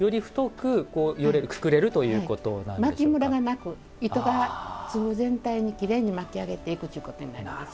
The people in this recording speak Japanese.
巻きむらがなく、糸が粒全体にきれいに巻き上げていくということになります。